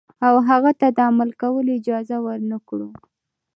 او هغه ته د عمل کولو اجازه ورنکړو.